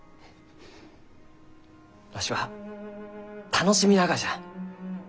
わしは楽しみながじゃ。